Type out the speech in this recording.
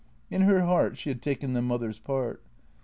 In her heart she had taken the mother's part.